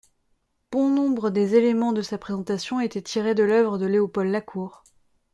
Bon nombre des éléments de sa présentation étaient tirés de l’œuvre de Léopold Lacour.